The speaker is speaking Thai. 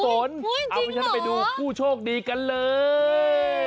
จริงเหรอเอาเพื่อนฉันไปดูคู่โชคดีกันเลย